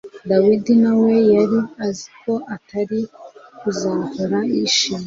Dawidi na we yari azi ko atari kuzahora yishimye